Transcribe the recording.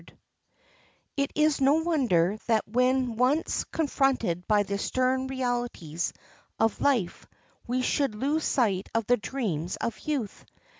"Man's portion is to die"] It is no wonder that when once confronted by the stern realities of life we should lose sight of the dreams of youth.